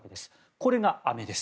これがアメです。